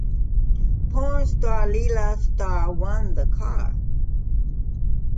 Porn star Lela Star won the car.